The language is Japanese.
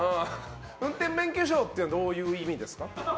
運転免許証ってどういう意味ですか？